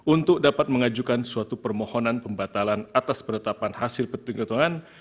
untuk dapat mengajukan suatu permohonan pembatalan atas penetapan hasil petunjuk hitungan